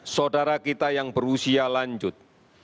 saudara kita yang berusia lanjut